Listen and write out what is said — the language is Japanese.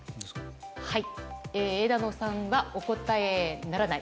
枝野さんがお答えならない。